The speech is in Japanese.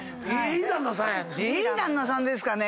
いい旦那さんですかね？